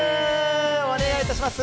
お願いいたします。